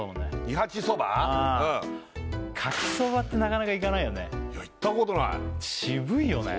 二八そばうんかきそばってなかなかいかないよねいやいったことない渋いよね